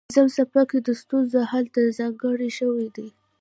پنځم څپرکی د ستونزو حل ته ځانګړی شوی دی.